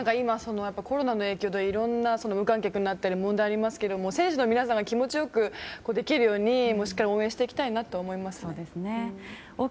コロナの影響で無観客になったり問題がありますが選手の皆さんが気持ちよくできるようにしっかり応援していきたいなと思います。